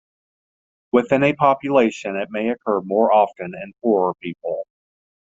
Within a population it may occur more often in poorer people.